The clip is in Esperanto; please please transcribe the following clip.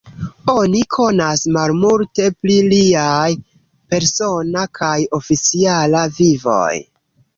Oni konas malmulte pri liaj persona kaj oficiala vivoj.